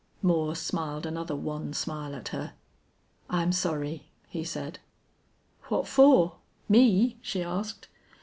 Moore smiled another wan smile at her. "I'm sorry," he said. "What for? Me?" she asked.